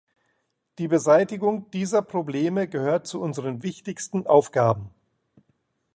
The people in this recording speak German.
Die Beseitigung dieser Probleme gehört zu unseren wichtigsten Aufgaben.